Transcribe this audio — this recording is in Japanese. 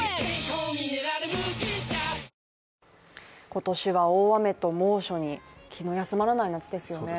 今年は大雨と猛暑に気の休まらない夏ですよね。